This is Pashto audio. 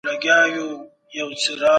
د مهارت نشتوالي د کار مخه نيوله.